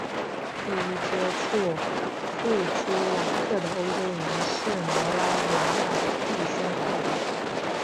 第一群接触库朱瓦克的欧洲人是摩拉维亚弟兄会。